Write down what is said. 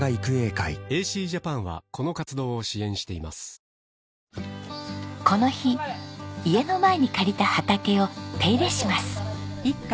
ニトリこの日家の前に借りた畑を手入れします。